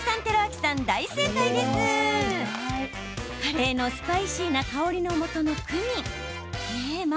カレーのスパイシーな香りのもとクミン。